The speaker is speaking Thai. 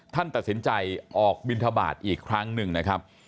ท่านตัดสินใจออกบินทบาทอีกครั้งหนึ่งนะครับ